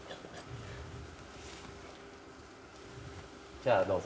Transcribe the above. じゃあどうぞ。